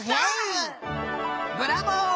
ブラボー！